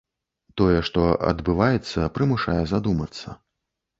Тое, што адбываецца, прымушае задумацца.